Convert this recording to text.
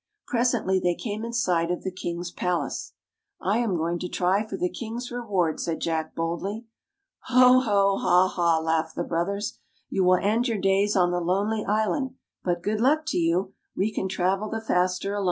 Presently they came in sight of the King's palace. " I am going to try for the King's re ward," said Jack boldly. " Ho, ho; ha, ha! " laughed the brothers. " You will end your days on the lonely island ; but good luck to you ! We can travel the faster alone."